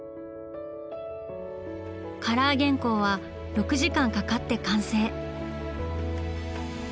カラー原稿は６時間かかって完成！